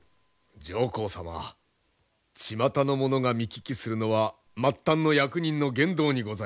上皇様ちまたの者が見聞きするのは末端の役人の言動にございましょう。